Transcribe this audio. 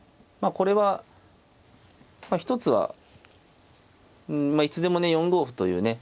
これは一つはいつでもね４五歩というね